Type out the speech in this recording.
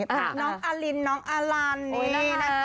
น้องอารินน้องอาลันนี่นะคะ